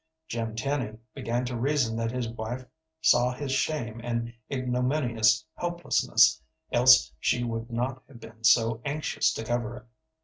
Jim Tenny began to reason that his wife saw his shame and ignominious helplessness, else she would not have been so anxious to cover it.